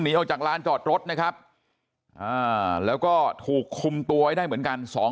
ออกจากร้านจอดรถนะครับแล้วก็ถูกคุมตัวไว้ได้เหมือนกัน